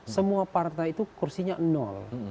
semua partai itu kursinya nol